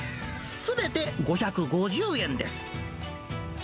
すべて５５０円です。